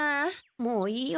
もういいよ。